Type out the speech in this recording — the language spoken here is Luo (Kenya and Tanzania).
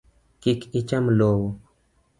Kik icham lowo.